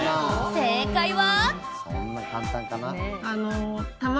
正解は。